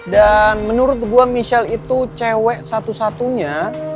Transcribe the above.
dan menurut gue michelle itu cewek satu satunya